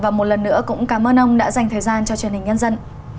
và một lần nữa cũng cảm ơn ông đã dành thời gian cho truyền hình nhân dân